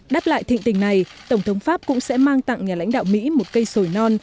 đáp lại thịnh tình này tổng thống pháp cũng sẽ mang tặng nhà lãnh đạo mỹ một cây sồi non